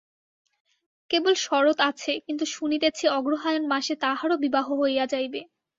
কেবল শরৎ আছে, কিন্তু শুনিতেছি অগ্রহায়ণ মাসে তাহারও বিবাহ হইয়া যাইবে।